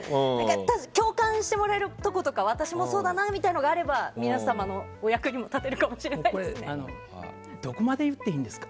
共感してもらえるところとか私もそうだなと思うところがあれば皆様のお役にも立てるかもしれないですが。